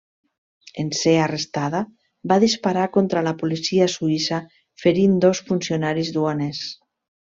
En ser arrestada va disparar contra la policia suïssa ferint dos funcionaris duaners.